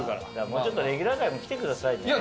もうちょっとレギュラー回も来てくださいね。